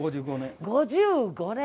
５５年！？